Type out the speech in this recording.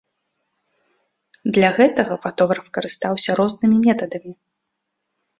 Для гэтага фатограф карыстаўся рознымі метадамі.